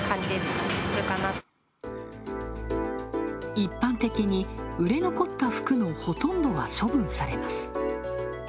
一般的に売れ残った服のほとんどは処分されます。